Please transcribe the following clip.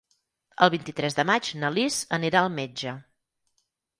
El vint-i-tres de maig na Lis anirà al metge.